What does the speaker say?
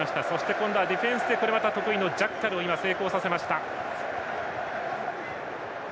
今度はディフェンスで得意のジャッカルを成功させました。